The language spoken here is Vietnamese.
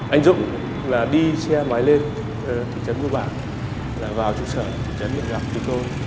anh dũng đi xe máy lên thị trấn như bản vào trung sở thị trấn gặp thị cô